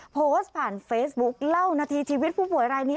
โพสต์ผ่านเฟซบุ๊คเล่านาทีชีวิตผู้ป่วยรายนี้